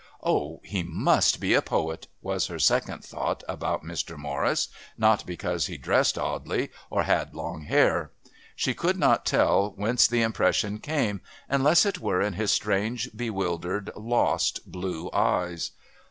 "Oh, he must be a poet!" was her second thought about Mr. Morris, not because he dressed oddly or had long hair. She could not tell whence the impression came, unless it were in his strange, bewildered, lost blue eyes.